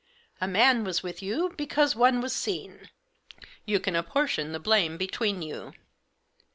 A man was with you, because one was seen. You can apportion the blame between you."